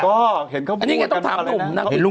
ก็เห็นเขาพูดกันมากเลยนะ